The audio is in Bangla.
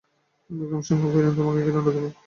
বিক্রমসিংহ কহিলেন, তোমাকে কী দণ্ড দিব?